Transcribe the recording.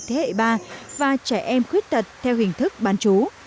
thế hệ ba và trẻ em khuyết tật theo hình thức bán chú